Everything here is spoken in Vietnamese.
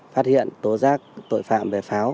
phát hiện tố rác tội phạm